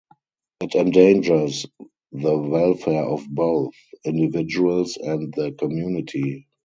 It endangers the welfare of both individuals and the community.